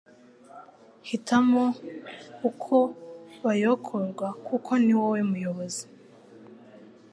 hitamo uko bayokorwa kuko niwowe muyobozi